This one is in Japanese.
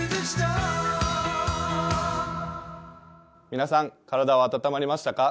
皆さん、体は暖まりましたか？